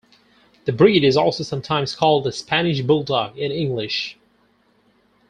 The breed is also sometimes called the Spanish Bulldog in English.